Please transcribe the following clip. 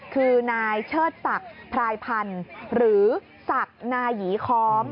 คือนายเชิดสักพลายพันธุ์หรือสักนายีคอม